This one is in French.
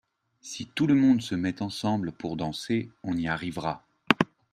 Si tout le monde se met ensemble pour danser on y arrivera.